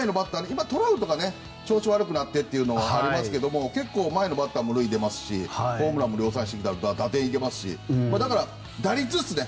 今、トラウトが調子悪くなってというのもありますが結構、前のバッターも塁に出ますしホームランも量産してるから打率ですね。